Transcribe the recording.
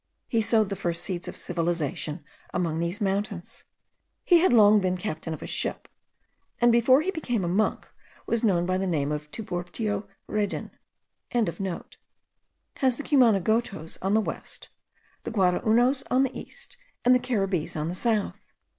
He sowed the first seeds of civilization among these mountains. He had long been captain of a ship; and before he became a monk, was known by the name of Tiburtio Redin.), has the Cumanagotos on the west, the Guaraunos on the east, and the Caribbees on the south.